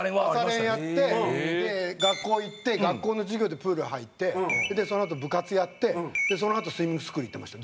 朝練やって学校行って学校の授業でプール入ってそのあと部活やってそのあとスイミングスクール行ってました。